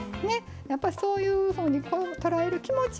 やっぱりそういうふうに捉える気持ち